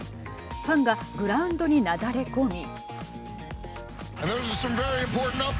ファンがグラウンドになだれ込み。